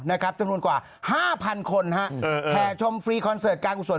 จำนวนกว่า๕๐๐คนฮะแห่ชมฟรีคอนเสิร์ตการกุศล